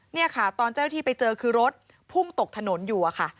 นี่ค่ะตอนเจ้าหน้าที่ไปเจอคือรถพุ่งตกถนนอยู่อะค่ะ